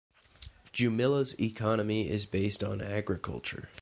Jumilla's economy is based on agriculture.